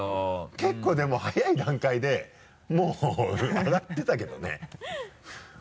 結構でも早い段階でもう上がってたけどね